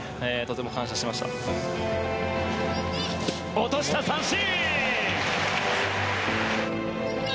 落とした、三振！